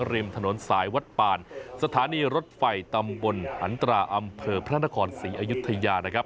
ริมถนนสายวัดป่านสถานีรถไฟตำบลหันตราอำเภอพระนครศรีอยุธยานะครับ